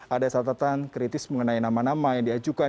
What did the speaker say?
ada catatan kritis mengenai nama nama yang diajukan